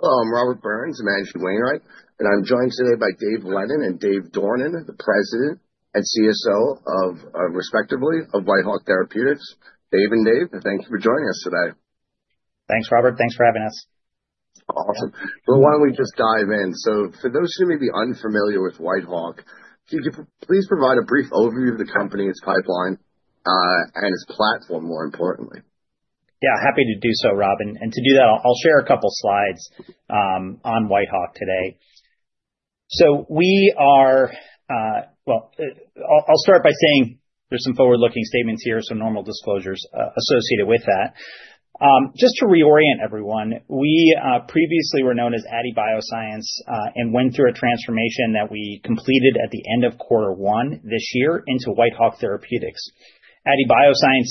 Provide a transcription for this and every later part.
Hello, I'm Robert Burns, a managing director at H.C. Wainwright, and I'm joined today by Dave Lennon and Dave Dornan, the President and CSO, respectively, of Whitehawk Therapeutics. Dave and Dave, thank you for joining us today. Thanks, Robert. Thanks for having us. Awesome. Why don't we just dive in? For those who may be unfamiliar with Whitehawk, can you please provide a brief overview of the company, its pipeline, and its platform, more importantly? Yeah, happy to do so, Robin. To do that, I'll share a couple of slides on Whitehawk today. We are—I'll start by saying there's some forward-looking statements here, some normal disclosures associated with that. Just to reorient everyone, we previously were known as AADI Bioscience and went through a transformation that we completed at the end of quarter one this year into Whitehawk Therapeutics. AADI Bioscience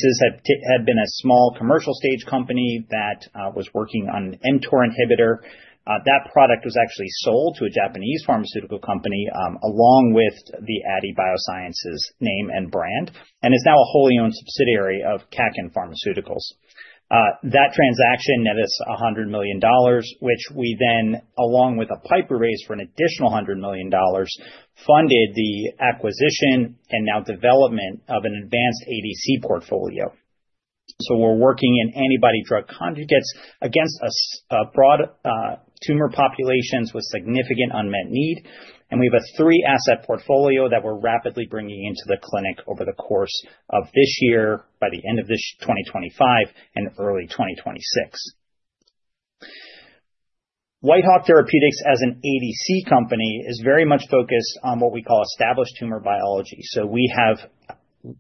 had been a small commercial-stage company that was working on an mTOR inhibitor. That product was actually sold to a Japanese pharmaceutical company along with the AADI Bioscience name and brand, and is now a wholly owned subsidiary of Kaken Pharmaceutical. That transaction net us $100 million, which we then, along with a PIPE raise for an additional $100 million, funded the acquisition and now development of an advanced ADC portfolio. We're working in antibody-drug conjugates against broad tumor populations with significant unmet need. We have a three-asset portfolio that we're rapidly bringing into the clinic over the course of this year, by the end of 2025 and early 2026. Whitehawk Therapeutics, as an ADC company, is very much focused on what we call established tumor biology. We have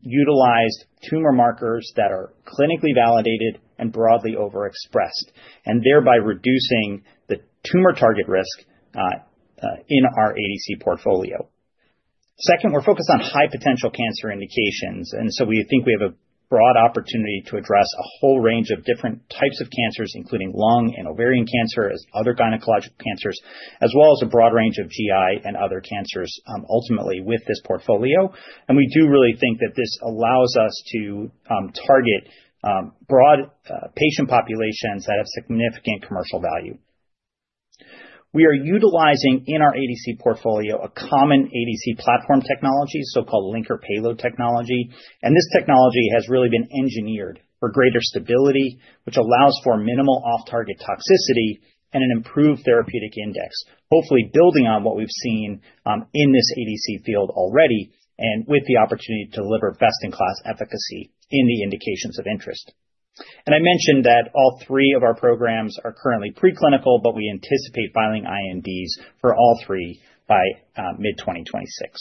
utilized tumor markers that are clinically validated and broadly overexpressed, thereby reducing the tumor target risk in our ADC portfolio. Second, we're focused on high-potential cancer indications. We think we have a broad opportunity to address a whole range of different types of cancers, including lung and ovarian cancer, other gynecological cancers, as well as a broad range of GI and other cancers, ultimately, with this portfolio. We do really think that this allows us to target broad patient populations that have significant commercial value. We are utilizing in our ADC portfolio a common ADC platform technology, so-called linker-payload technology.. This technology has really been engineered for greater stability, which allows for minimal off-target toxicity and an improved therapeutic index, hopefully building on what we've seen in this ADC field already and with the opportunity to deliver best-in-class efficacy in the indications of interest. I mentioned that all three of our programs are currently preclinical, but we anticipate filing INDs for all three by mid-2026.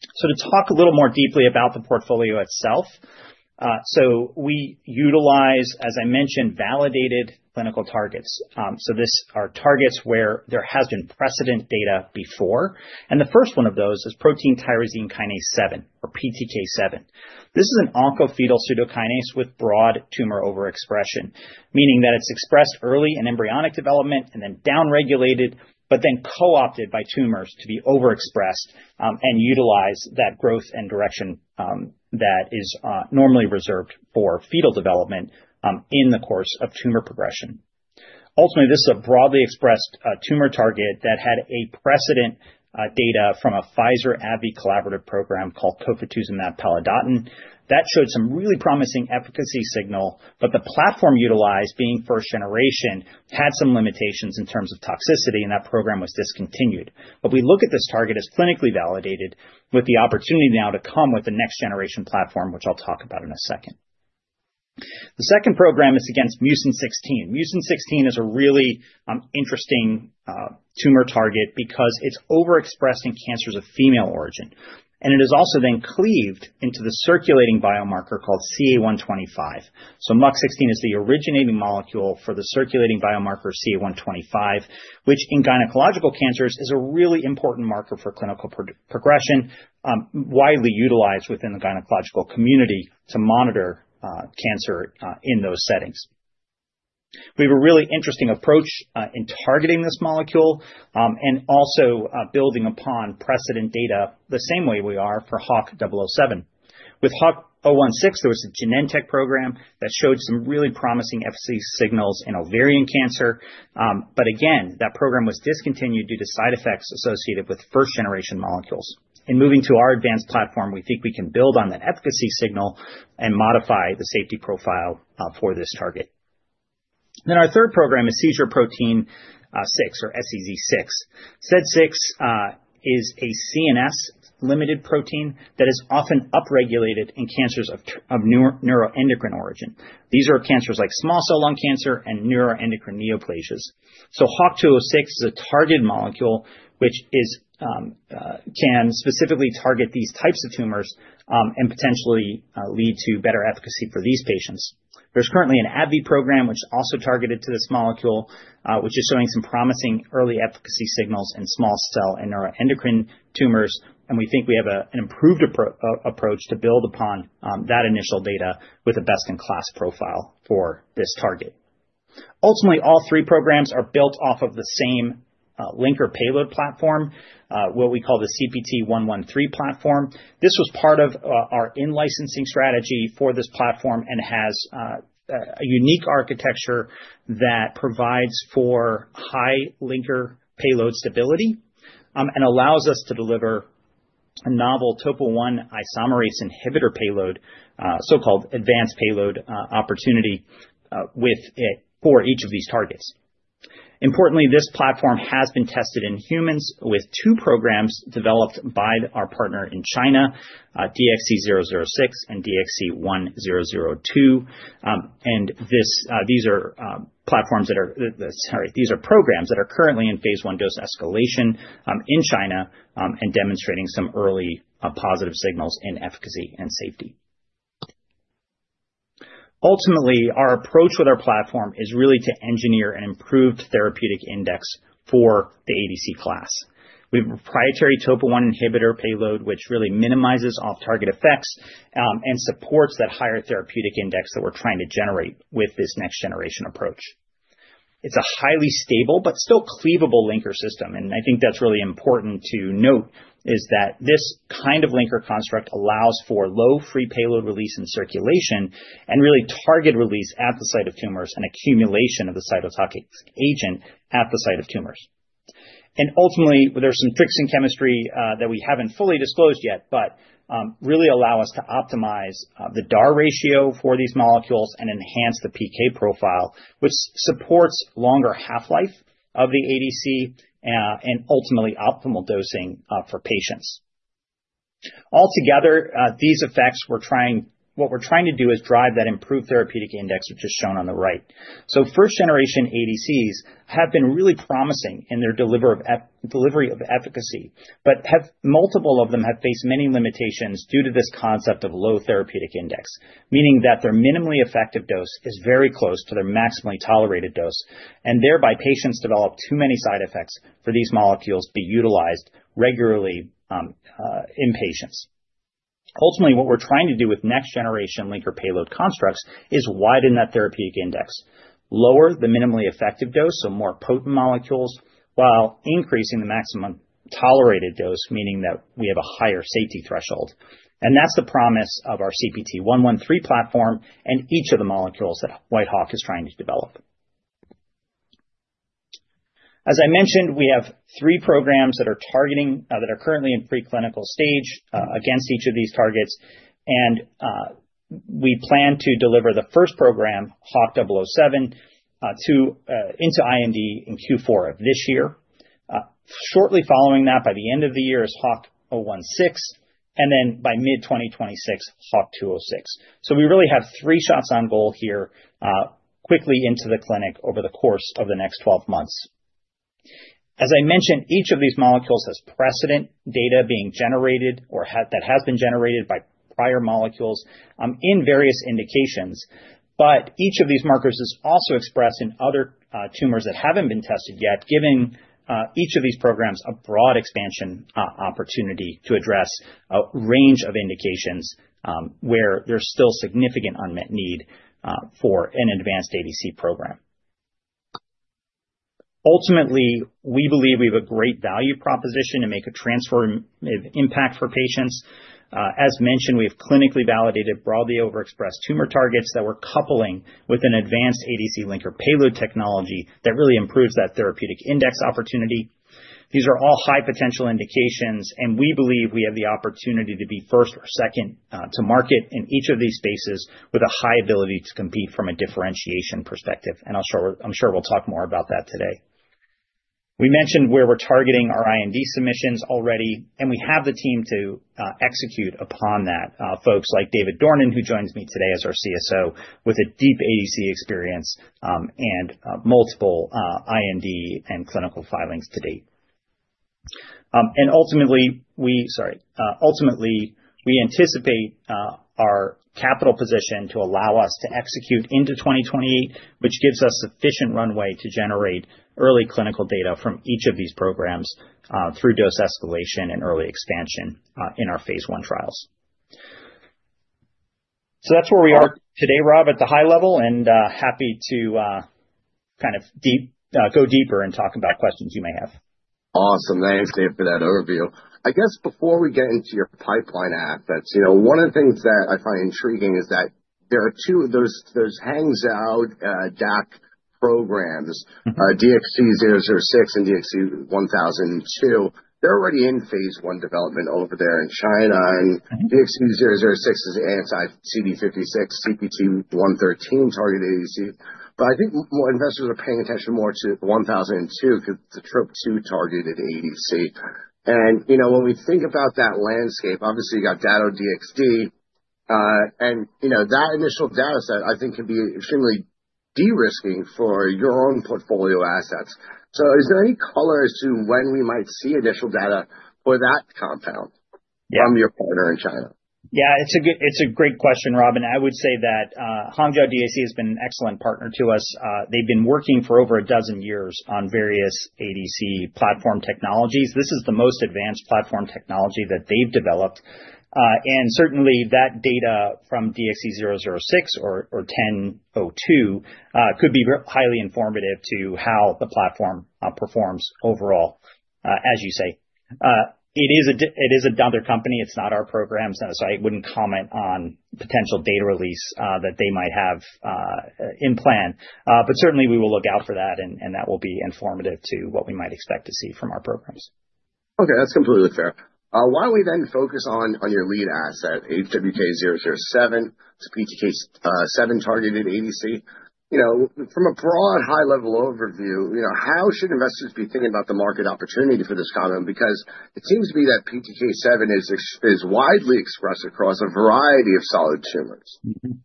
To talk a little more deeply about the portfolio itself, we utilize, as I mentioned, validated clinical targets. These are targets where there has been precedent data before. The first one of those is protein tyrosine kinase 7, or PTK7. This is an oncofetal pseudokinase with broad tumor overexpression, meaning that it's expressed early in embryonic development and then downregulated, but then co-opted by tumors to be overexpressed and utilize that growth and direction that is normally reserved for fetal development in the course of tumor progression. Ultimately, this is a broadly expressed tumor target that had precedent data from a Pfizer-AbbVie collaborative program called Cofetuzumab pelidotin that showed some really promising efficacy signal, but the platform utilized, being first-generation, had some limitations in terms of toxicity, and that program was discontinued. We look at this target as clinically validated with the opportunity now to come with the next-generation platform, which I'll talk about in a second. The second program is against MUC16. MUC16 is a really interesting tumor target because it's overexpressed in cancers of female origin. It is also then cleaved into the circulating biomarker called CA-125. MUC16 is the originating molecule for the circulating biomarker CA-125, which in gynecological cancers is a really important marker for clinical progression, widely utilized within the gynecological community to monitor cancer in those settings. We have a really interesting approach in targeting this molecule and also building upon precedent data the same way we are for HWK-007. With HWK-016, there was a Genentech program that showed some really promising efficacy signals in ovarian cancer. That program was discontinued due to side effects associated with first-generation molecules. In moving to our advanced platform, we think we can build on that efficacy signal and modify the safety profile for this target. Our third program is seizure protein 6, or SEZ6. SEZ6 is a CNS-limited protein that is often upregulated in cancers of neuroendocrine origin. These are cancers like small cell lung cancer and neuroendocrine neoplasias. HWK-206 is a targeted molecule which can specifically target these types of tumors and potentially lead to better efficacy for these patients. There's currently an AbbVie program, which is also targeted to this molecule, which is showing some promising early efficacy signals in small cell and neuroendocrine tumors. We think we have an improved approach to build upon that initial data with a best-in-class profile for this target. Ultimately, all three programs are built off of the same linker-payload platform, what we call the CPT113 platform. This was part of our in-licensing strategy for this platform and has a unique architecture that provides for high linker payload stability and allows us to deliver a novel Topoisomerase I inhibitor payload, so-called advanced payload opportunity for each of these targets. Importantly, this platform has been tested in humans with two programs developed by our partner in China, DXC006 and DXC1002. These are programs that are currently in phase one dose escalation in China and demonstrating some early positive signals in efficacy and safety. Ultimately, our approach with our platform is really to engineer an improved therapeutic index for the ADC class. We have a proprietary TOPO-1 inhibitor payload, which really minimizes off-target effects and supports that higher therapeutic index that we're trying to generate with this next-generation approach. It's a highly stable, but still cleavable linker system. I think that's really important to note is that this kind of linker construct allows for low free payload release in circulation and really target release at the site of tumors and accumulation of the cytotoxic agent at the site of tumors. Ultimately, there are some tricks in chemistry that we have not fully disclosed yet, but really allow us to optimize the DAR ratio for these molecules and enhance the PK profile, which supports longer half-life of the ADC and ultimately optimal dosing for patients. Altogether, these effects—we are trying to drive that improved therapeutic index, which is shown on the right. First-generation ADCs have been really promising in their delivery of efficacy, but multiple of them have faced many limitations due to this concept of low therapeutic index, meaning that their minimally effective dose is very close to their maximally tolerated dose. Thereby, patients develop too many side effects for these molecules to be utilized regularly in patients. Ultimately, what we're trying to do with next-generation linker-payload constructs is widen that therapeutic index, lower the minimally effective dose, so more potent molecules, while increasing the maximum tolerated dose, meaning that we have a higher safety threshold. That's the promise of our CPT113 platform and each of the molecules that Whitehawk is trying to develop. As I mentioned, we have three programs that are currently in preclinical stage against each of these targets. We plan to deliver the first program, HWK-007, into IND in Q4 of this year. Shortly following that, by the end of the year, is HWK-016, and then by mid-2026, HWK-206. We really have three shots on goal here quickly into the clinic over the course of the next 12 months. As I mentioned, each of these molecules has precedent data being generated or that has been generated by prior molecules in various indications. Each of these markers is also expressed in other tumors that have not been tested yet, giving each of these programs a broad expansion opportunity to address a range of indications where there is still significant unmet need for an advanced ADC program. Ultimately, we believe we have a great value proposition and make a transformative impact for patients. As mentioned, we have clinically validated, broadly overexpressed tumor targets that we are coupling with an advanced ADC linker-payload technology. that really improves that therapeutic index opportunity. These are all high-potential indications, and we believe we have the opportunity to be first or second to market in each of these spaces with a high ability to compete from a differentiation perspective. I'm sure we'll talk more about that today. We mentioned where we're targeting our IND submissions already, and we have the team to execute upon that, folks like David Dornan, who joins me today as our CSO, with a deep ADC experience and multiple IND and clinical filings to date. Ultimately, we—sorry—ultimately, we anticipate our capital position to allow us to execute into 2028, which gives us sufficient runway to generate early clinical data from each of these programs through dose escalation and early expansion in our phase one trials. That's where we are today, Rob, at the high level, and happy to kind of go deeper and talk about questions you may have. Awesome. Thanks, Dave, for that overview. I guess before we get into your pipeline assets, one of the things that I find intriguing is that there are two—there's Hangzhou DAC programs, DXC006 and DXC1002. They're already in phase I development over there in China. And DXC006 is Anti-CD56-CPT113 target ADC. I think more investors are paying attention more to 1002 because it's a TROP2-targeted ADC. When we think about that landscape, obviously, you got Dato-DXd, and that initial data set, I think, can be extremely de-risking for your own portfolio assets. Is there any color as to when we might see initial data for that compound from your partner in China? Yeah, it's a great question, Robin. I would say that Hangzhou DAC has been an excellent partner to us. They've been working for over a dozen years on various ADC platform technologies. This is the most advanced platform technology that they've developed. Certainly, that data from DXC006 or 1002 could be highly informative to how the platform performs overall, as you say. It is a Dato company, it's not our programs, so I wouldn't comment on potential data release that they might have in plan. Certainly, we will look out for that, and that will be informative to what we might expect to see from our programs. Okay, that's completely fair. Why don't we then focus on your lead asset, HWK-007, the PTK7 targeted ADC? From a broad high-level overview, how should investors be thinking about the market opportunity for this compound? Because it seems to me that PTK7 is widely expressed across a variety of solid tumors.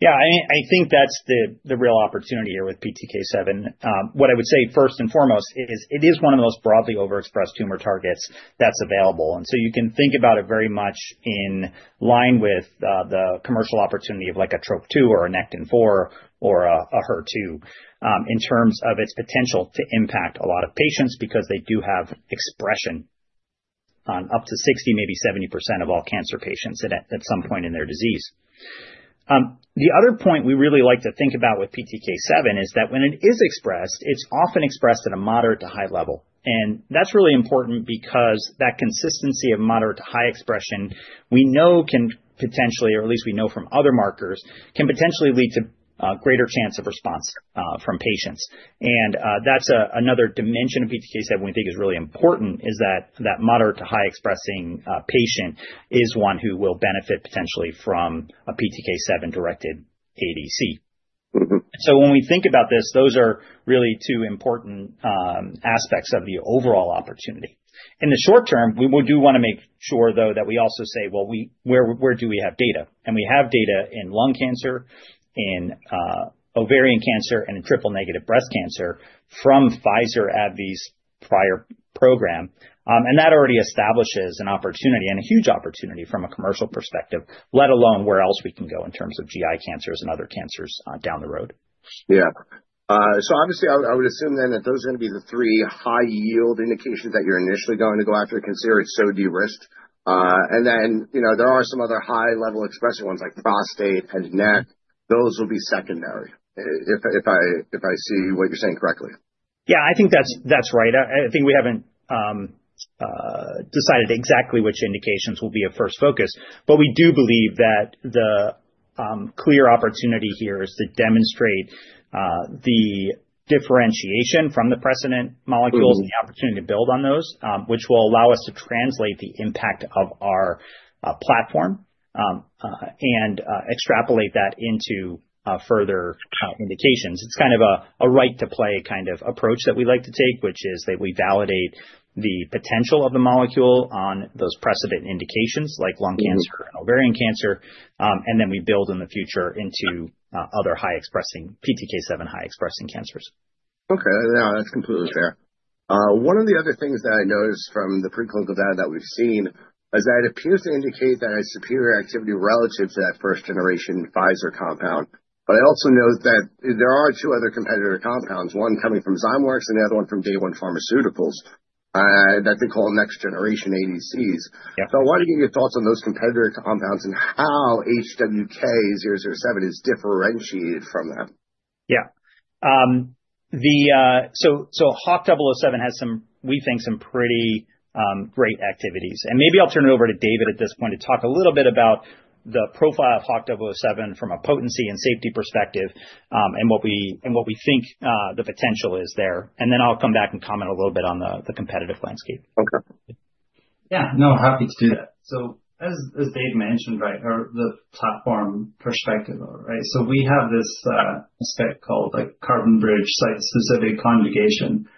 Yeah, I think that's the real opportunity here with PTK7. What I would say first and foremost is it is one of the most broadly overexpressed tumor targets that's available. You can think about it very much in line with the commercial opportunity of a TROP2 or a Nectin-4 or a HER2 in terms of its potential to impact a lot of patients because they do have expression on up to 60%-70% of all cancer patients at some point in their disease. The other point we really like to think about with PTK7 is that when it is expressed, it's often expressed at a moderate to high level. That's really important because that consistency of moderate to high expression, we know can potentially, or at least we know from other markers, can potentially lead to a greater chance of response from patients. That is another dimension of PTK7 we think is really important, that moderate to high expressing patient is one who will benefit potentially from a PTK7-directed ADC. When we think about this, those are really two important aspects of the overall opportunity. In the short term, we do want to make sure, though, that we also say, "Where do we have data?" We have data in lung cancer, in ovarian cancer, and in triple-negative breast cancer from Pfizer-AbbVie’s prior program. That already establishes an opportunity and a huge opportunity from a commercial perspective, let alone where else we can go in terms of GI cancers and other cancers down the road. Yeah. Obviously, I would assume then that those are going to be the three high-yield indications that you're initially going to go after to consider it so de-risked. There are some other high-level expressive ones like prostate and neck. Those will be secondary, if I see what you're saying correctly. Yeah, I think that's right. I think we haven't decided exactly which indications will be a first focus. But we do believe that the clear opportunity here is to demonstrate the differentiation from the precedent molecules and the opportunity to build on those, which will allow us to translate the impact of our platform and extrapolate that into further indications. It's kind of a right-to-play kind of approach that we like to take, which is that we validate the potential of the molecule on those precedent indications like lung cancer and ovarian cancer, and then we build in the future into other high-expressing PTK7 high-expressing cancers. Okay. Yeah, that's completely fair. One of the other things that I noticed from the preclinical data that we've seen is that it appears to indicate that it has superior activity relative to that first-generation Pfizer compound. I also note that there are two other competitor compounds, one coming from Zymeworks and the other one from Day One Biopharmaceuticals that they call next-generation ADCs. I want to get your thoughts on those competitor compounds and how HWK-007 is differentiated from them. Yeah. HWK-007 has, we think, some pretty great activities. Maybe I'll turn it over to David at this point to talk a little bit about the profile of HWK-007 from a potency and safety perspective and what we think the potential is there. I'll come back and comment a little bit on the competitive landscape. Okay. Yeah. No, happy to do that. As Dave mentioned, right, from the platform perspective, we have this aspect called a carbon bridge site-specific conjugation.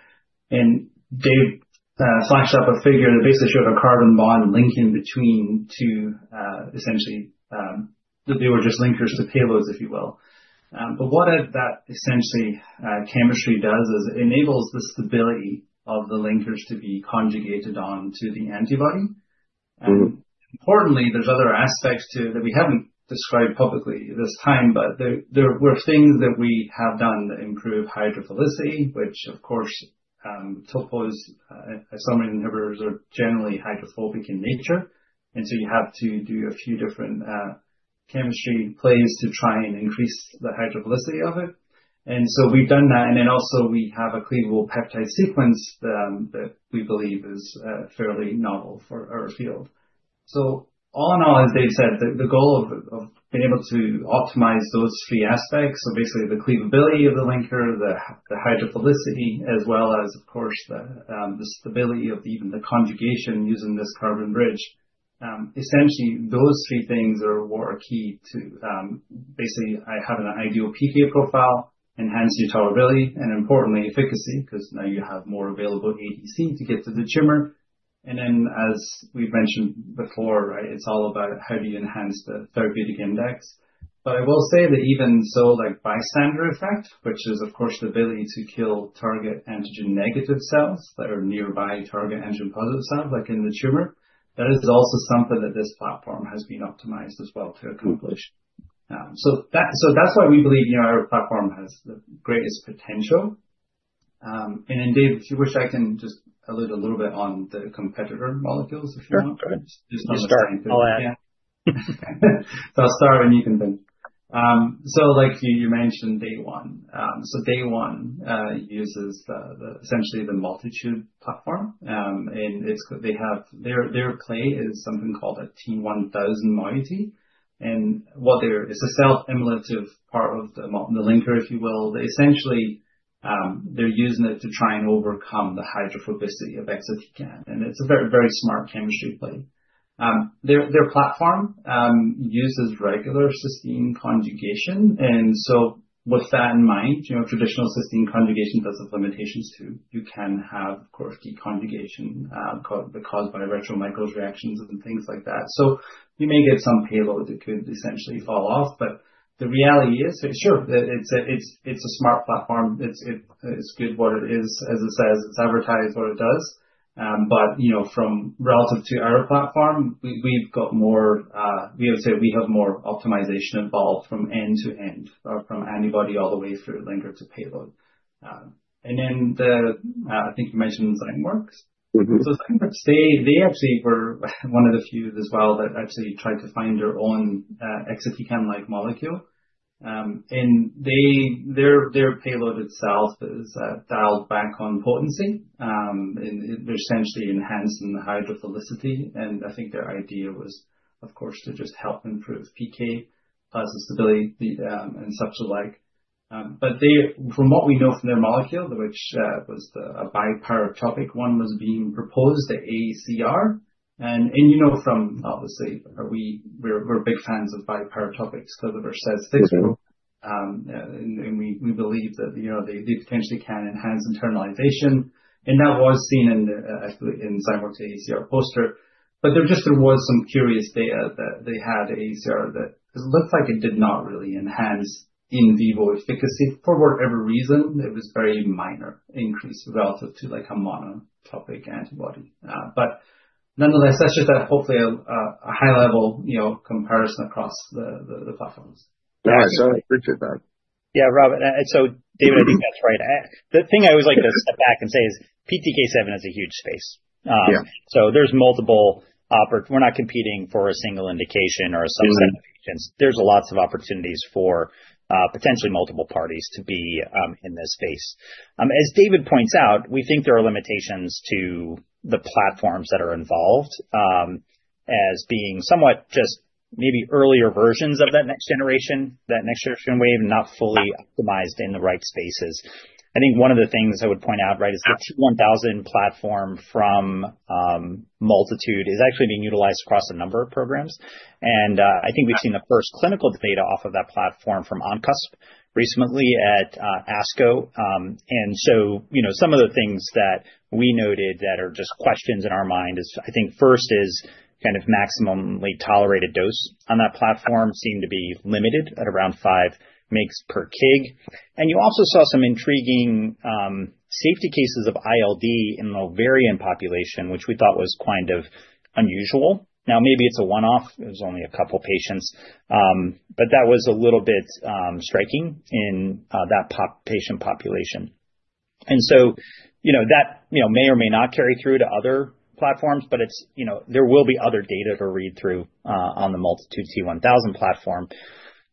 Dave flashed up a figure that basically showed a carbon bond linking between two, essentially, that they were just linkers to payloads, if you will. What that essentially chemistry does is it enables the stability of the linkers to be conjugated onto the antibody. Importantly, there are other aspects that we have not described publicly at this time, but there were things that we have done that improve hydrophilicity, which, of course, topoisomerase I inhibitors are generally hydrophobic in nature. You have to do a few different chemistry plays to try and increase the hydrophilicity of it. We have done that. Also, we have a cleavable peptide sequence that we believe is fairly novel for our field. All in all, as Dave said, the goal of being able to optimize those three aspects, so basically the cleavability of the linker, the hydrophilicity, as well as, of course, the stability of even the conjugation using this carbon bridge, essentially, those three things are what are key to basically having an ideal PK profile, enhancing tolerability, and importantly, efficacy, because now you have more available ADC to get to the tumor. As we've mentioned before, right, it's all about how do you enhance the therapeutic index. I will say that even so, like bystander effect, which is, of course, the ability to kill target antigen-negative cells that are nearby target antigen-positive cells, like in the tumor, that is also something that this platform has been optimized as well to accomplish. That's why we believe our platform has the greatest potential. And then, Dave, if you wish, I can just allude a little bit on the competitor molecules, if you want. Yeah, sure. I'll start. Yeah. So I'll start and you can then. Like you mentioned, Day One. Day One uses essentially the Multitude platform. Their play is something called a T1000 moiety. What they're—it's a self-immolative part of the linker, if you will. Essentially, they're using it to try and overcome the hydrophobicity of exatecan. It's a very, very smart chemistry play. Their platform uses regular cysteine conjugation. With that in mind, traditional cysteine conjugation does have limitations too. You can have, of course, deconjugation caused by retro-Michael reactions and things like that. You may get some payload that could essentially fall off. The reality is, sure, it's a smart platform. It's good what it is, as it says. It's advertised what it does. Relative to our platform, we've got more—we have more optimization involved from end to end, from antibody all the way through linker to payload. I think you mentioned Zymeworks. Zymeworks, they actually were one of the few as well that actually tried to find their own exatecan-like molecule. Their payload itself is dialed back on potency. They're essentially enhancing the hydrophilicity. I think their idea was, of course, to just help improve PK, plus the stability and such alike. From what we know from their molecule, which was a biparatopic one, it was being proposed to AACR. You know, obviously, we're big fans of biparatopics because of our SEZ6 group. We believe that they potentially can enhance internalization. That was seen in Zymeworks' AACR poster. There was some curious data that they had AACR that looked like it did not really enhance in vivo efficacy. For whatever reason, it was a very minor increase relative to a monoparatopic antibody. Nonetheless, that's just hopefully a high-level comparison across the platforms. Yeah, certainly. Appreciate that. Yeah, Rob. David, I think that's right. The thing I always like to step back and say is PTK7 has a huge space. There are multiple—we're not competing for a single indication or a subset of patients. There are lots of opportunities for potentially multiple parties to be in this space. As David points out, we think there are limitations to the platforms that are involved as being somewhat just maybe earlier versions of that next generation, that next generation wave, and not fully optimized in the right spaces. I think one of the things I would point out, right, is the T1000 platform from Multitude is actually being utilized across a number of programs. I think we've seen the first clinical data off of that platform from OnCusp recently at ASCO. Some of the things that we noted that are just questions in our mind is, I think, first is kind of maximum tolerated dose on that platform seemed to be limited at around 5 mg per kg. You also saw some intriguing safety cases of ILD in the ovarian population, which we thought was kind of unusual. Now, maybe it's a one-off. It was only a couple of patients. That was a little bit striking in that patient population. That may or may not carry through to other platforms, but there will be other data to read through on the Multitude T1000 platform.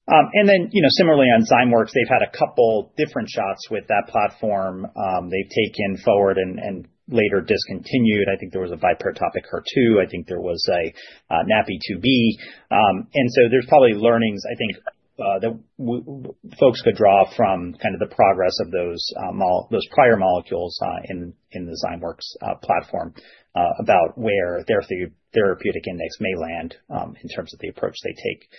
Similarly, on Zymeworks, they've had a couple of different shots with that platform. They've taken forward and later discontinued. I think there was a biparatopic HER2. I think there was a NaPi2b. There are probably learnings, I think, that folks could draw from kind of the progress of those prior molecules in the Zymeworks platform about where their therapeutic index may land in terms of the approach they take.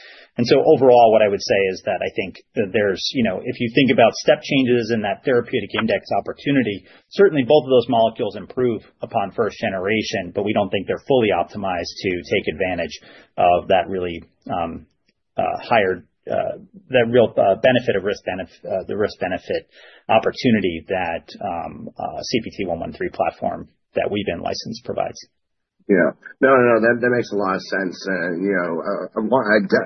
Overall, what I would say is that I think that if you think about step changes in that therapeutic index opportunity, certainly both of those molecules improve upon first generation, but we do not think they are fully optimized to take advantage of that really higher—that real benefit of the risk-benefit opportunity that CPT113 platform that we have been licensed provides. Yeah. No, no, no. That makes a lot of sense. I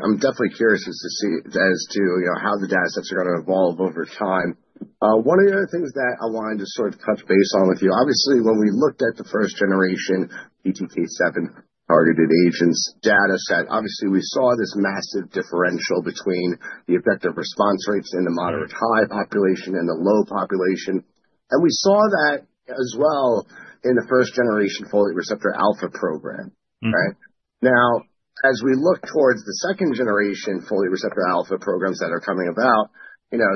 am definitely curious as to how the data sets are going to evolve over time. One of the other things that I wanted to sort of touch base on with you, obviously, when we looked at the first-generation PTK7 targeted agents data set, obviously, we saw this massive differential between the effective response rates in the moderate-high population and the low population. We saw that as well in the first-generation folate receptor alpha program, right? Now, as we look towards the second-generation folate receptor alpha programs that are coming about,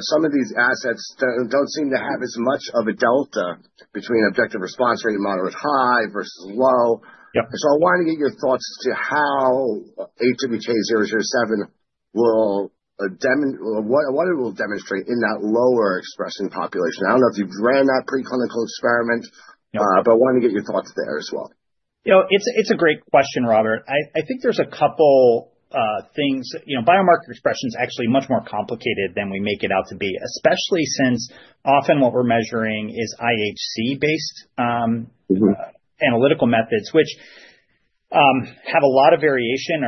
some of these assets don't seem to have as much of a delta between objective response rate in moderate-high versus low. I wanted to get your thoughts as to how HWK-007 will—what it will demonstrate in that lower expressing population. I don't know if you've ran that preclinical experiment, but I wanted to get your thoughts there as well. It's a great question, Robert. I think there's a couple of things. Biomarker expression is actually much more complicated than we make it out to be, especially since often what we're measuring is IHC-based analytical methods, which have a lot of variation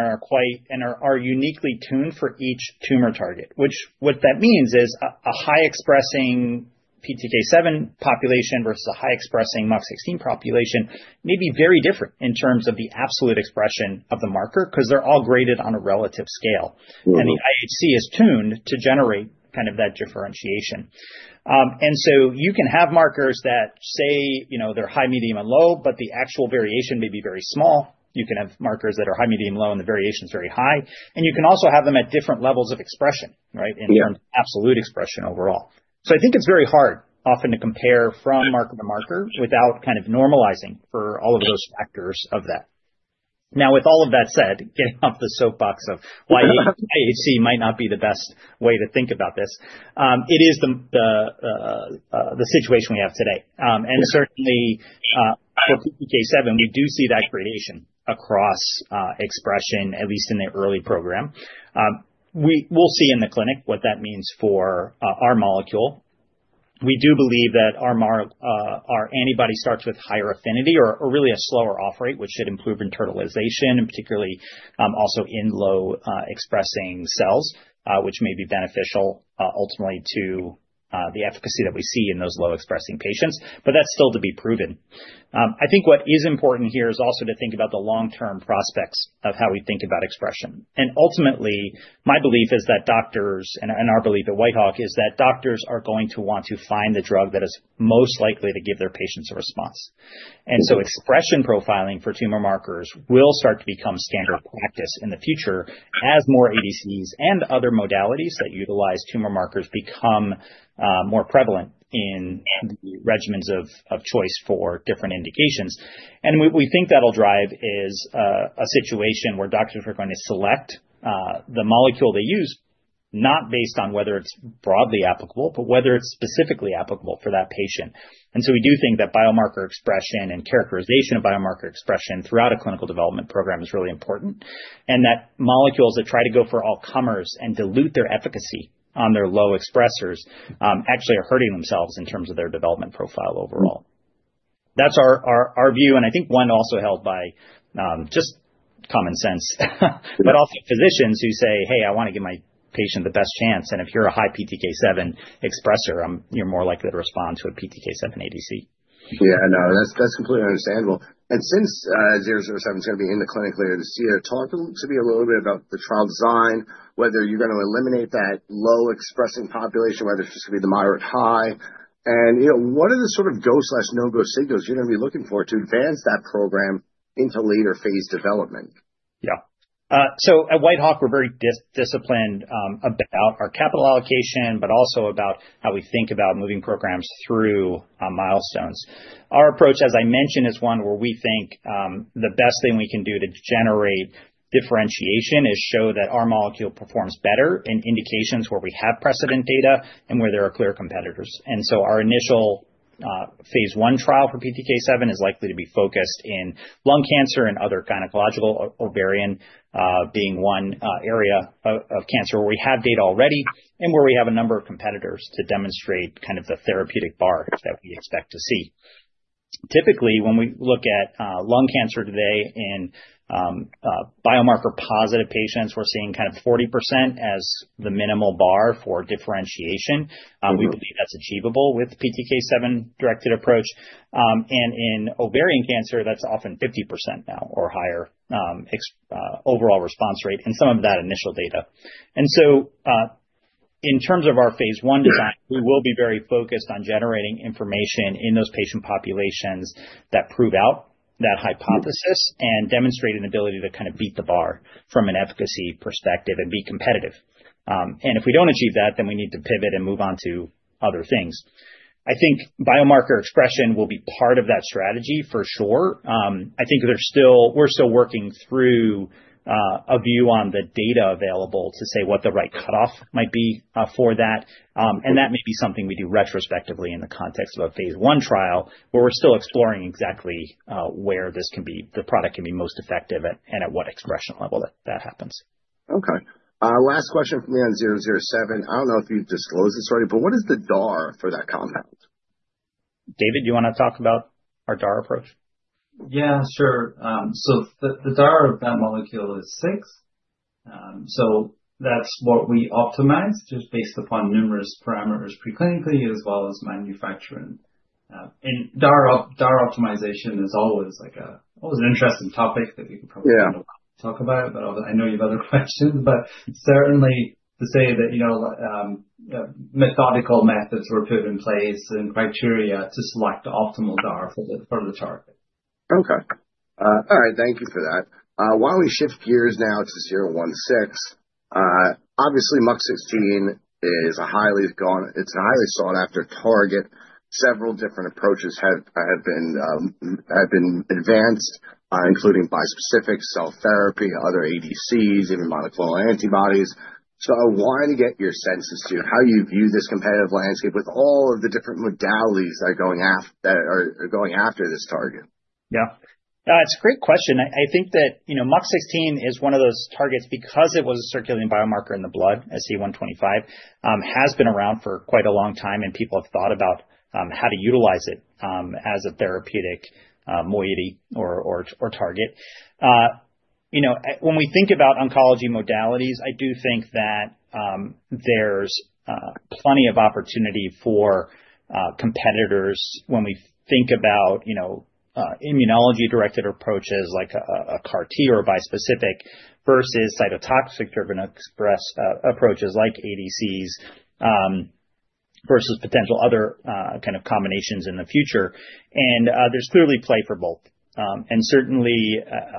and are uniquely tuned for each tumor target. What that means is a high-expressing PTK7 population versus a high-expressing MUC16 population may be very different in terms of the absolute expression of the marker because they're all graded on a relative scale. The IHC is tuned to generate kind of that differentiation. You can have markers that say they're high, medium, and low, but the actual variation may be very small. You can have markers that are high, medium, and low, and the variation is very high. You can also have them at different levels of expression, right, in terms of absolute expression overall. I think it's very hard often to compare from marker to marker without kind of normalizing for all of those factors of that. Now, with all of that said, getting off the soapbox of why IHC might not be the best way to think about this, it is the situation we have today. Certainly, for PTK7, we do see that gradation across expression, at least in the early program. We'll see in the clinic what that means for our molecule. We do believe that our antibody starts with higher affinity or really a slower off rate, which should improve internalization, and particularly also in low-expressing cells, which may be beneficial ultimately to the efficacy that we see in those low-expressing patients. That's still to be proven. I think what is important here is also to think about the long-term prospects of how we think about expression. Ultimately, my belief is that doctors—and our belief at Whitehawk—is that doctors are going to want to find the drug that is most likely to give their patients a response. Expression profiling for tumor markers will start to become standard practice in the future as more ADCs and other modalities that utilize tumor markers become more prevalent in the regimens of choice for different indications. What we think that'll drive is a situation where doctors are going to select the molecule they use, not based on whether it's broadly applicable, but whether it's specifically applicable for that patient. We do think that biomarker expression and characterization of biomarker expression throughout a clinical development program is really important. That molecules that try to go for all comers and dilute their efficacy on their low expressors actually are hurting themselves in terms of their development profile overall. That's our view. I think one also held by just common sense, but also physicians who say, "Hey, I want to give my patient the best chance. And if you're a high PTK7 expressor, you're more likely to respond to a PTK7 ADC." Yeah, no, that's completely understandable. Since 007 is going to be in the clinic later this year, talk to me a little bit about the trial design, whether you're going to eliminate that low-expressing population, whether it's just going to be the moderate-high, and what are the sort of go-no-go signals you're going to be looking for to advance that program into later phase development? Yeah. At Whitehawk, we're very disciplined about our capital allocation, but also about how we think about moving programs through milestones. Our approach, as I mentioned, is one where we think the best thing we can do to generate differentiation is show that our molecule performs better in indications where we have precedent data and where there are clear competitors. Our initial phase one trial for PTK7 is likely to be focused in lung cancer and other gynecological, ovarian being one area of cancer where we have data already and where we have a number of competitors to demonstrate kind of the therapeutic bar that we expect to see. Typically, when we look at lung cancer today in biomarker-positive patients, we're seeing kind of 40% as the minimal bar for differentiation. We believe that's achievable with PTK7-directed approach. In ovarian cancer, that's often 50% now or higher overall response rate and some of that initial data. In terms of our phase one design, we will be very focused on generating information in those patient populations that prove out that hypothesis and demonstrate an ability to kind of beat the bar from an efficacy perspective and be competitive. If we don't achieve that, then we need to pivot and move on to other things. I think biomarker expression will be part of that strategy for sure. I think we're still working through a view on the data available to say what the right cutoff might be for that. That may be something we do retrospectively in the context of a phase one trial where we're still exploring exactly where this can be, the product can be most effective and at what expression level that happens. Okay. Last question for me on 007. I do not know if you've disclosed this already, but what is the DAR for that compound? David, do you want to talk about our DAR approach? Yeah, sure. The DAR of that molecule is six. That is what we optimize just based upon numerous parameters preclinically as well as manufacturing. DAR optimization is always an interesting topic that we could probably talk about, but I know you have other questions. Certainly, to say that methodical methods were put in place and criteria to select optimal DAR for the target. Okay. All right. Thank you for that. While we shift gears now to 016, obviously, MUC16 is a highly sought-after target. Several different approaches have been advanced, including bispecific, cell therapy, other ADCs, even monoclonal antibodies. I wanted to get your senses to how you view this competitive landscape with all of the different modalities that are going after this target. Yeah. It's a great question. I think that MUC16 is one of those targets because it was a circulating biomarker in the blood, CA-125, has been around for quite a long time, and people have thought about how to utilize it as a therapeutic moiety or target. When we think about oncology modalities, I do think that there's plenty of opportunity for competitors when we think about immunology-directed approaches like a CAR T or a bispecific versus cytotoxic-driven approaches like ADCs versus potential other kind of combinations in the future. There's clearly play for both. Certainly,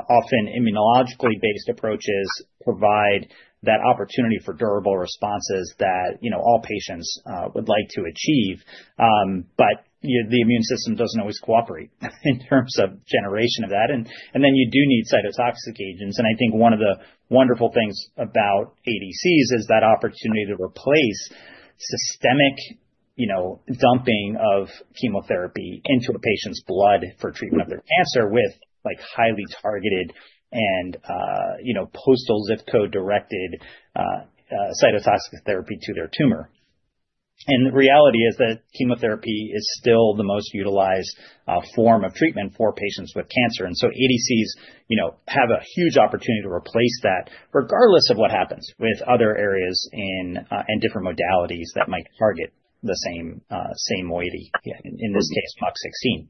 often immunologically-based approaches provide that opportunity for durable responses that all patients would like to achieve. The immune system does not always cooperate in terms of generation of that. You do need cytotoxic agents. I think one of the wonderful things about ADCs is that opportunity to replace systemic dumping of chemotherapy into a patient's blood for treatment of their cancer with highly targeted and postal ZIP code-directed cytotoxic therapy to their tumor. The reality is that chemotherapy is still the most utilized form of treatment for patients with cancer. ADCs have a huge opportunity to replace that regardless of what happens with other areas and different modalities that might target the same moiety, in this case, MUC16.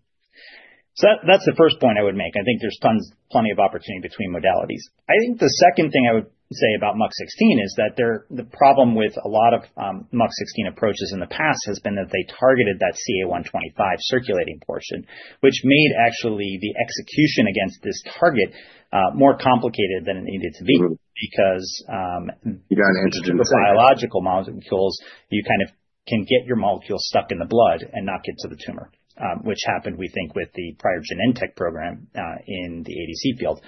That is the first point I would make. I think there is plenty of opportunity between modalities. I think the second thing I would say about MUC16 is that the problem with a lot of MUC16 approaches in the past has been that they targeted that CA-125 circulating portion, which made actually the execution against this target more complicated than it needed to be because the biological molecules, you kind of can get your molecule stuck in the blood and not get to the tumor, which happened, we think, with the prior Genentech program in the ADC field.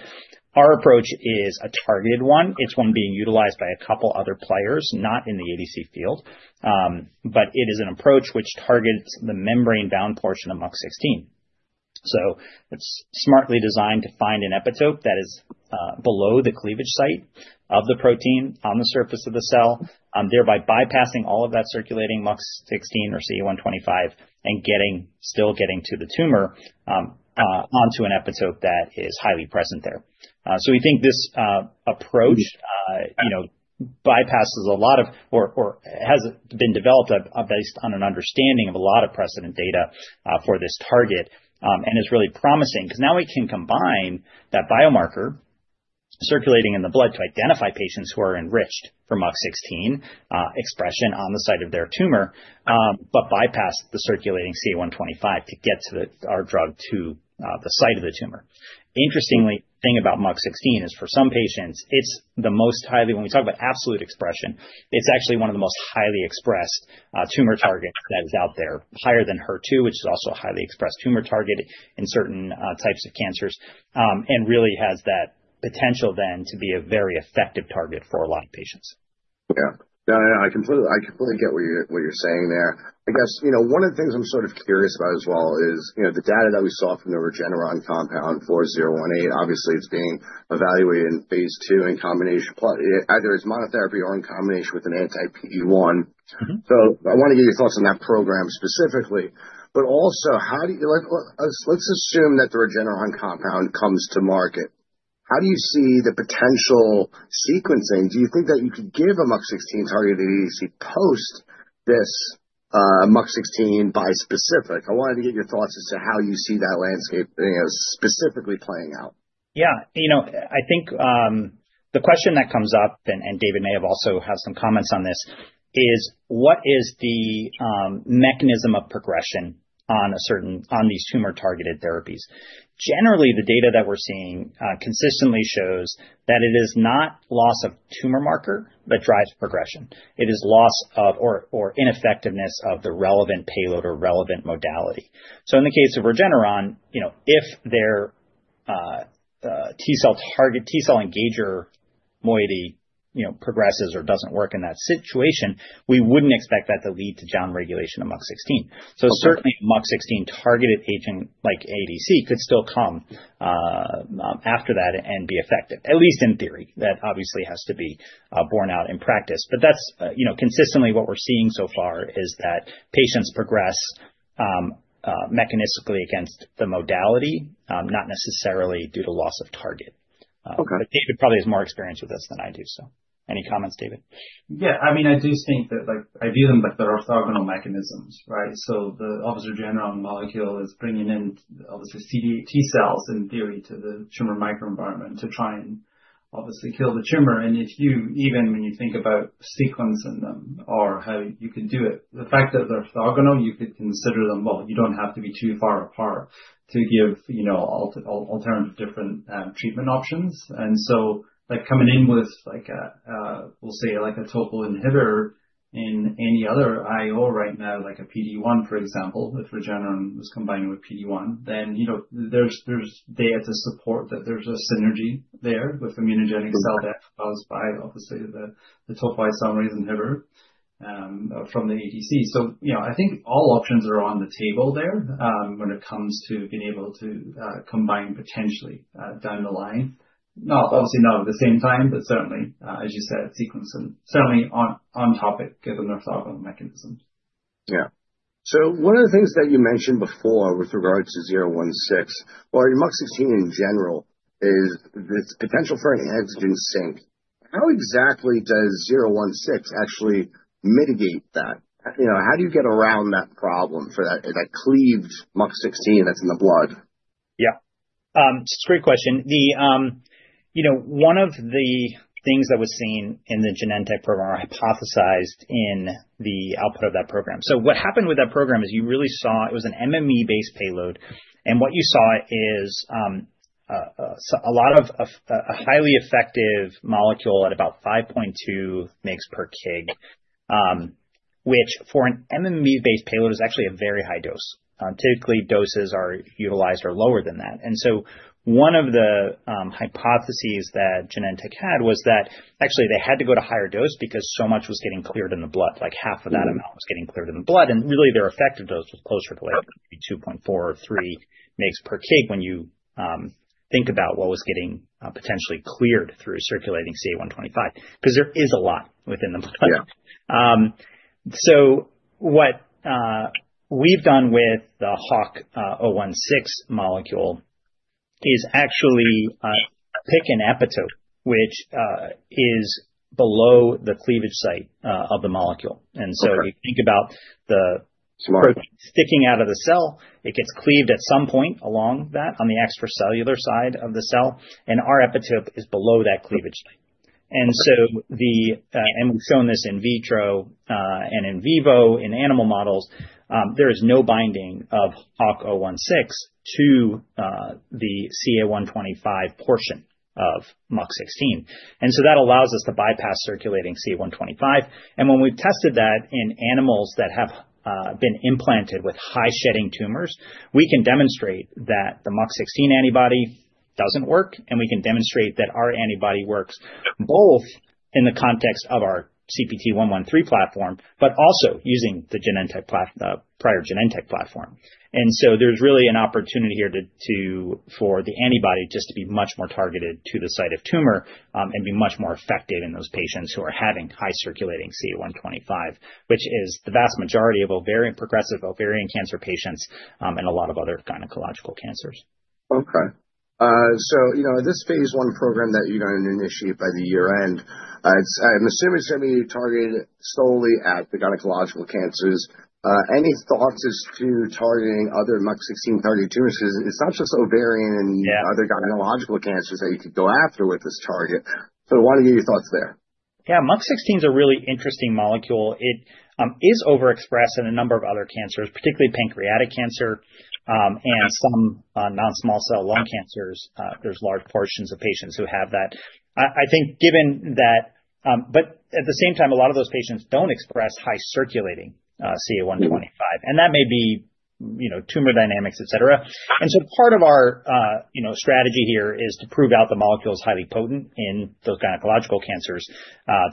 Our approach is a targeted one. It's one being utilized by a couple of other players, not in the ADC field. It is an approach which targets the membrane-bound portion of MUC16. It's smartly designed to find an epitope that is below the cleavage site of the protein on the surface of the cell, thereby bypassing all of that circulating MUC16 or CA-125 and still getting to the tumor onto an epitope that is highly present there. We think this approach bypasses a lot of or has been developed based on an understanding of a lot of precedent data for this target and is really promising because now we can combine that biomarker circulating in the blood to identify patients who are enriched for MUC16 expression on the site of their tumor, but bypass the circulating CA-125 to get our drug to the site of the tumor. Interestingly, the thing about MUC16 is for some patients, it's the most highly—when we talk about absolute expression, it's actually one of the most highly expressed tumor targets that is out there, higher than HER2, which is also a highly expressed tumor target in certain types of cancers, and really has that potential then to be a very effective target for a lot of patients. Yeah. I completely get what you're saying there. I guess one of the things I'm sort of curious about as well is the data that we saw from the Regeneron compound 401. Obviously, it's being evaluated in phase two in combination—either it's monotherapy or in combination with an anti-PD-1. I want to get your thoughts on that program specifically. Also, let's assume that the Regeneron compound comes to market. How do you see the potential sequencing? Do you think that you could give a MUC16 targeted ADC post this MUC16 bispecific? I wanted to get your thoughts as to how you see that landscape specifically playing out. Yeah. I think the question that comes up, and David may have also had some comments on this, is what is the mechanism of progression on these tumor-targeted therapies? Generally, the data that we're seeing consistently shows that it is not loss of tumor marker that drives progression. It is loss of or ineffectiveness of the relevant payload or relevant modality. In the case of Regeneron, if their T-cell engager moiety progresses or doesn't work in that situation, we wouldn't expect that to lead to downregulation of MUC16. Certainly, a MUC16 targeted agent like ADC could still come after that and be effective, at least in theory. That obviously has to be borne out in practice. That's consistently what we're seeing so far is that patients progress mechanistically against the modality, not necessarily due to loss of target. David probably has more experience with this than I do, so. Any comments, David? Yeah. I mean, I do think that I view them like they're orthogonal mechanisms, right? The office regenerative molecule is bringing in, obviously, T-cells in theory to the tumor microenvironment to try and obviously kill the tumor. Even when you think about sequencing them or how you could do it, the fact that they're orthogonal, you could consider them, well, you don't have to be too far apart to give alternative different treatment options. Coming in with, we'll say, a topical inhibitor in any other IO right now, like a PD-1, for example, if Regeneron was combined with PD-1, then there's data to support that there's a synergy there with immunogenic cell that goes by, obviously, the topoisomerase inhibitor from the ADC. I think all options are on the table there when it comes to being able to combine potentially down the line. Obviously, not at the same time, but certainly, as you said, sequencing, certainly on topic of an orthogonal mechanism. Yeah. One of the things that you mentioned before with regard to 016, well, your MUC16 in general is this potential for an antigen sink. How exactly does 016 actually mitigate that? How do you get around that problem for that cleaved MUC16 that's in the blood? Yeah. It's a great question. One of the things that was seen in the Genentech program or hypothesized in the output of that program. What happened with that program is you really saw it was an MMAE-based payload. What you saw is a lot of a highly effective molecule at about 5.2 mg per kg, which for an MMAE-based payload is actually a very high dose. Typically, doses utilized are lower than that. One of the hypotheses that Genentech had was that actually they had to go to higher dose because so much was getting cleared in the blood. Like half of that amount was getting cleared in the blood. Really, their effective dose was closer to like 2.4 or 3 mg per kg when you think about what was getting potentially cleared through circulating CA-125 because there is a lot within the blood. What we've done with the HWK-016 molecule is actually pick an epitope, which is below the cleavage site of the molecule. You think about the protein sticking out of the cell. It gets cleaved at some point along that on the extracellular side of the cell. Our epitope is below that cleavage site. We've shown this in vitro and in vivo in animal models, there is no binding of HWK-016 to the CA-125 portion of MUC16. That allows us to bypass circulating CA-125. When we've tested that in animals that have been implanted with high-shedding tumors, we can demonstrate that the MUC16 antibody does not work, and we can demonstrate that our antibody works both in the context of our CPT113 platform, but also using the prior Genentech platform. There is really an opportunity here for the antibody just to be much more targeted to the site of tumor and be much more effective in those patients who are having high-circulating CA-125, which is the vast majority of progressive ovarian cancer patients and a lot of other gynecological cancers. Okay. This phase one program that you are going to initiate by the year end, I am assuming it is going to be targeted solely at the gynecological cancers. Any thoughts as to targeting other MUC16 targeted tumors? Because it is not just ovarian and other gynecological cancers that you could go after with this target. I want to get your thoughts there. Yeah. MUC16 is a really interesting molecule. It is overexpressed in a number of other cancers, particularly pancreatic cancer and some non-small cell lung cancers. There are large portions of patients who have that. I think given that, but at the same time, a lot of those patients don't express high-circulating CA-125. That may be tumor dynamics, etc. Part of our strategy here is to prove out the molecule's highly potent in those gynecological cancers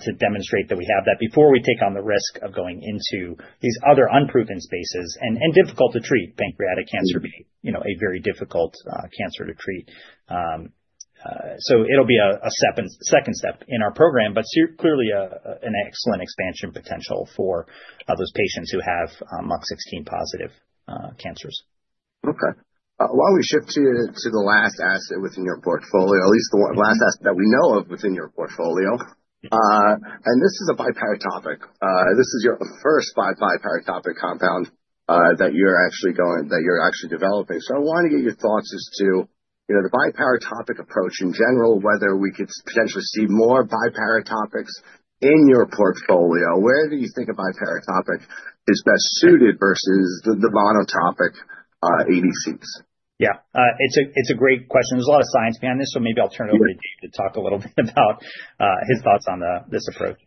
to demonstrate that we have that before we take on the risk of going into these other unproven spaces and difficult to treat pancreatic cancer being a very difficult cancer to treat. It will be a second step in our program, but clearly an excellent expansion potential for those patients who have MUC16 positive cancers. Okay. While we shift to the last asset within your portfolio, at least the last asset that we know of within your portfolio. This is a biparatopic. This is your first biparatopic compound that you're actually developing. I want to get your thoughts as to the biparatopic approach in general, whether we could potentially see more biparatopics in your portfolio. Where do you think a biparatopic is best suited versus the monoparatopic ADCs? Yeah. It's a great question. There's a lot of science behind this. Maybe I'll turn it over to David to talk a little bit about his thoughts on this approach.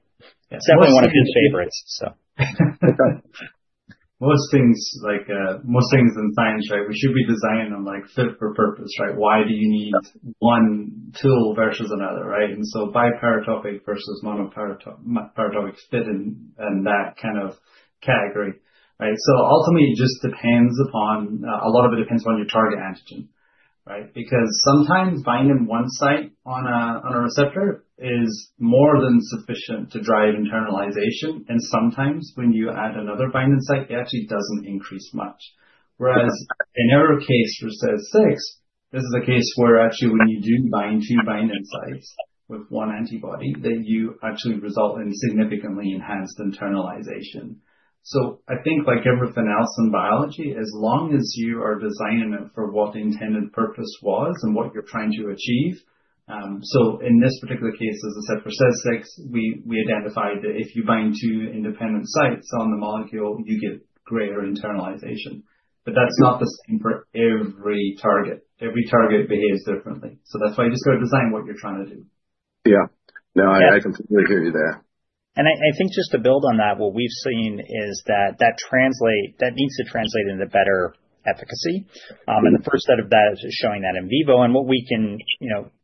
Definitely one of his favorites. Okay. Most things in science, right, we should be designing them fit for purpose, right? Why do you need one tool versus another, right? Biparatopic versus monoparatopic fit in that kind of category, right? Ultimately, it just depends upon—a lot of it depends upon your target antigen, right? Because sometimes binding one site on a receptor is more than sufficient to drive internalization. Sometimes when you add another binding site, it actually does not increase much. Whereas in our case for SEZ6, this is a case where actually when you do bind two binding sites with one antibody, then you actually result in significantly enhanced internalization. I think like everything else in biology, as long as you are designing it for what the intended purpose was and what you are trying to achieve. In this particular case, as I said, for SEZ6, we identified that if you bind two independent sites on the molecule, you get greater internalization. That is not the same for every target. Every target behaves differently. That is why you just have to design what you are trying to do. Yeah. No, I completely hear you there. I think just to build on that, what we have seen is that that needs to translate into better efficacy. The first set of that is showing that in vivo. What we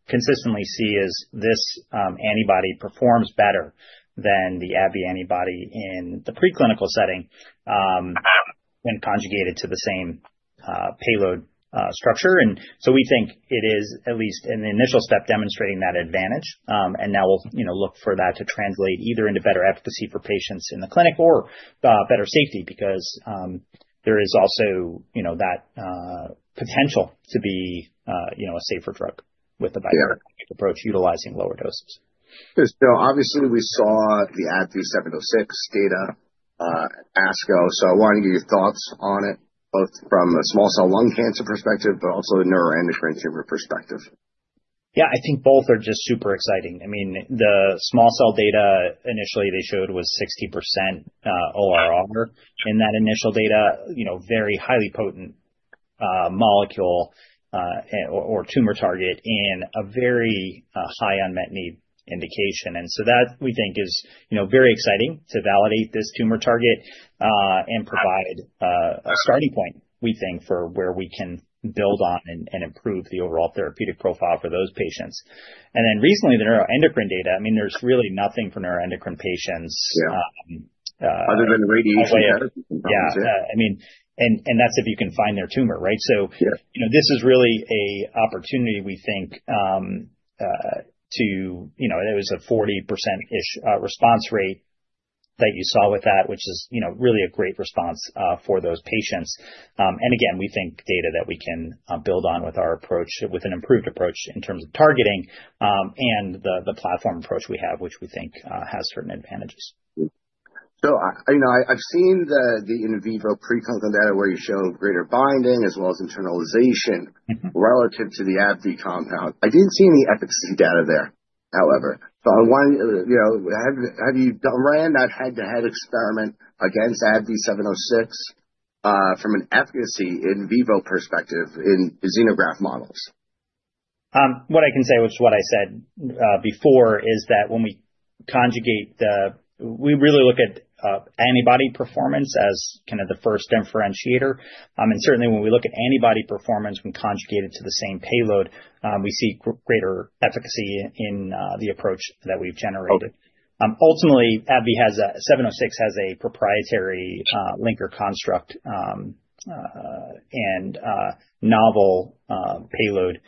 can consistently see is this antibody performs better than the AbbVie antibody in the preclinical setting when conjugated to the same payload structure. We think it is at least an initial step demonstrating that advantage. Now we'll look for that to translate either into better efficacy for patients in the clinic or better safety because there is also that potential to be a safer drug with a biparatopic approach utilizing lower doses. Obviously, we saw the ABBV-706 data at ASCO. I wanted to get your thoughts on it both from a small cell lung cancer perspective, but also a neuroendocrine tumor perspective. Yeah. I think both are just super exciting. I mean, the small cell data initially they showed was 60% ORR in that initial data, very highly potent molecule or tumor target in a very high unmet need indication. That we think is very exciting to validate this tumor target and provide a starting point, we think, for where we can build on and improve the overall therapeutic profile for those patients. Then recently, the neuroendocrine data, I mean, there's really nothing for neuroendocrine patients. Other than radiation therapy components, yeah. Yeah. I mean, and that's if you can find their tumor, right? This is really an opportunity, we think, to—it was a 40%-ish response rate that you saw with that, which is really a great response for those patients. Again, we think data that we can build on with our approach, with an improved approach in terms of targeting and the platform approach we have, which we think has certain advantages. I have seen the in vivo preclinical data where you showed greater binding as well as internalization relative to the ABBV compound. I did not see any efficacy data there, however. I wanted to have you run that head-to-head experiment against ABBV-706 from an efficacy in vivo perspective in xenograft models. What I can say, which is what I said before, is that when we conjugate, we really look at antibody performance as kind of the first differentiator. Certainly, when we look at antibody performance when conjugated to the same payload, we see greater efficacy in the approach that we have generated. Ultimately, ABBV-706 has a proprietary linker construct and novel payload,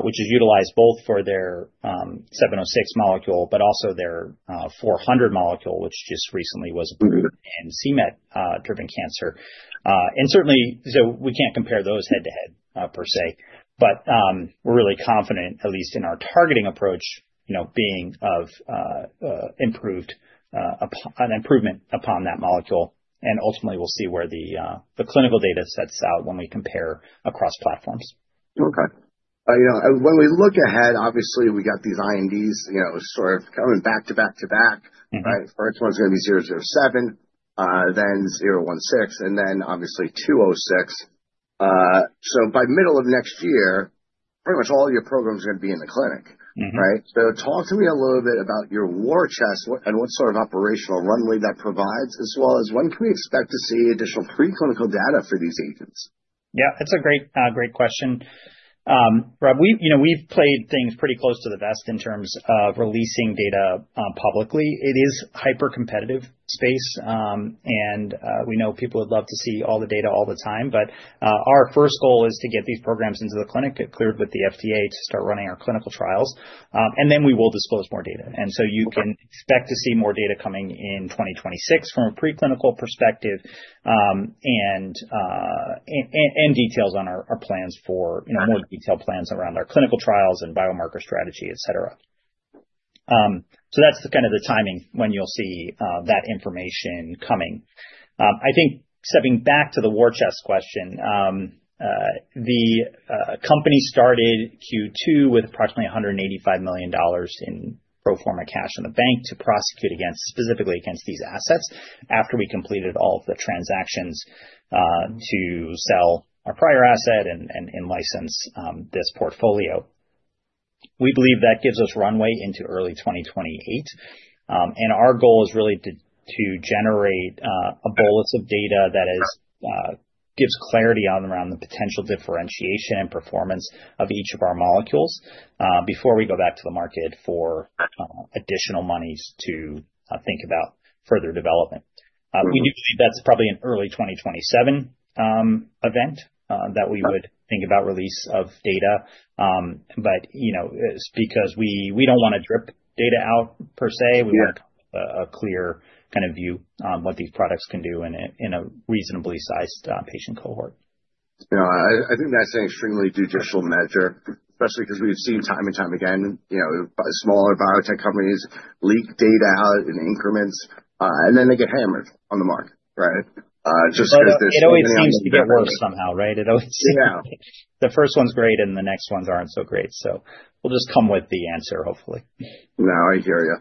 which is utilized both for their 706 molecule, but also their 400 molecule, which just recently was approved in c-MET-driven cancer. Certainly, we cannot compare those head-to-head per se. We are really confident, at least in our targeting approach being of an improvement upon that molecule. Ultimately, we will see where the clinical data sets out when we compare across platforms. Okay. When we look ahead, obviously, we got these INDs sort of coming back to back to back, right? First one is going to be 007, then 016, and then obviously 206. By middle of next year, pretty much all your program is going to be in the clinic, right? Talk to me a little bit about your war chest and what sort of operational runway that provides, as well as when can we expect to see additional preclinical data for these agents? Yeah. That's a great question, Rob. We've played things pretty close to the vest in terms of releasing data publicly. It is a hyper-competitive space. We know people would love to see all the data all the time. Our first goal is to get these programs into the clinic, get cleared with the FDA to start running our clinical trials. We will disclose more data. You can expect to see more data coming in 2026 from a preclinical perspective and details on our plans for more detailed plans around our clinical trials and biomarker strategy, etc. That's kind of the timing when you'll see that information coming. I think stepping back to the war chest question, the company started Q2 with approximately $185 million in pro forma cash in the bank to prosecute specifically against these assets after we completed all of the transactions to sell our prior asset and license this portfolio. We believe that gives us runway into early 2028. Our goal is really to generate a bolus of data that gives clarity around the potential differentiation and performance of each of our molecules before we go back to the market for additional monies to think about further development. We do believe that's probably an early 2027 event that we would think about release of data. It's because we don't want to drip data out per se. We want to come with a clear kind of view on what these products can do in a reasonably sized patient cohort. Yeah. I think that's an extremely judicial measure, especially because we've seen time and time again by smaller biotech companies leak data out in increments and then they get hammered on the market, right? Just because there's no way to. It always seems to get worse somehow, right? It always seems like the first one's great and the next ones aren't so great. We'll just come with the answer, hopefully. No, I hear you.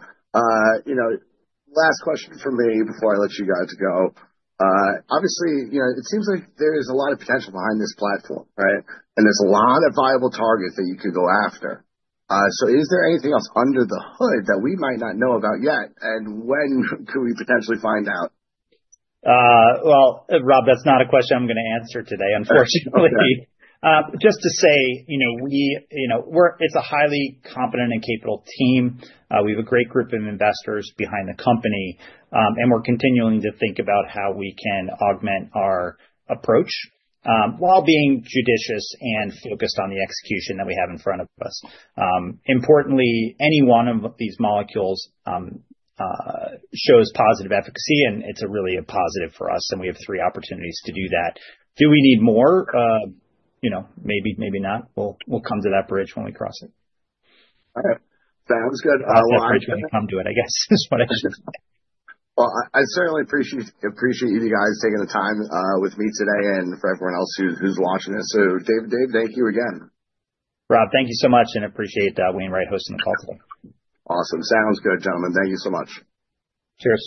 Last question for me before I let you guys go. Obviously, it seems like there is a lot of potential behind this platform, right? And there's a lot of viable targets that you can go after. Is there anything else under the hood that we might not know about yet? And when could we potentially find out? Rob, that's not a question I'm going to answer today, unfortunately. Just to say, it is a highly competent and capable team. We have a great group of investors behind the company. We are continuing to think about how we can augment our approach while being judicious and focused on the execution that we have in front of us. Importantly, any one of these molecules shows positive efficacy, and it is really a positive for us. We have three opportunities to do that. Do we need more? Maybe, maybe not. We will come to that bridge when we cross it. All right. Sounds good. We are always ready to come to it, I guess, is what I should say. I certainly appreciate you guys taking the time with me today and for everyone else who is watching this. Dave, Dave, thank you again. Rob, thank you so much. I appreciate that H.C. Wainwright is hosting the call today. Awesome. Sounds good, gentlemen. Thank you so much. Sure.